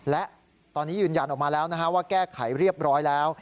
และตอนนี้ยืนยันออกมาแล้วว่าแก้ไขเรียบร้อยแล้ว